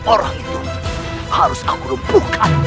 orang itu harus aku rempuh